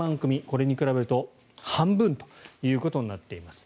これに比べると半分ということになっています。